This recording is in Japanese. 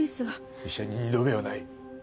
医者に二度目はない。